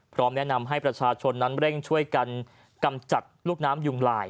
พร้อมแนะนำให้ประชาชนนั้นเร่งช่วยกันกำจัดลูกน้ำยุงลาย